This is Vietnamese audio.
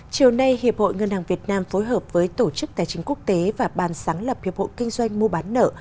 chiều nay hiệp hội ngân hàng việt nam phối hợp với tổ chức tài chính quốc tế và bàn sáng lập hiệp hội kinh doanh mua bán nợ